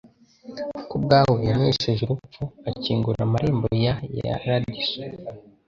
ku bwawe yanesheje urupfu akingura amarembo ya Yaradiso.